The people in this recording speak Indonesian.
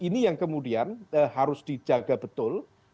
karena kemudian harus dijaga betul